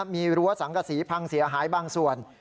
มีรั้วสังกษีพังเสียหายบางส่วน